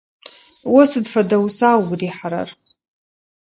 О сыд фэдэ уса угу рихьырэр?